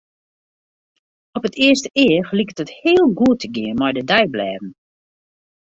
Op it earste each liket it heel goed te gean mei de deiblêden.